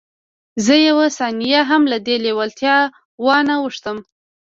زه یوه ثانیه هم له دې لېوالتیا وانه وښتم